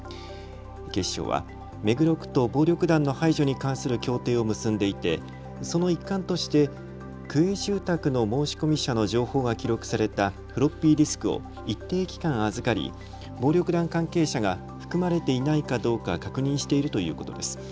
警視庁は目黒区と暴力団の排除に関する協定を結んでいてその一環として区営住宅の申し込み者の情報が記録されたフロッピーディスクを一定期間、預かり暴力団関係者が含まれていないかどうか確認しているということです。